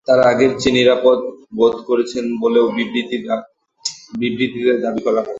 তারা আগের চেয়ে নিরাপদ বোধ করছেন বলেও বিবৃতিতে দাবি করা হয়।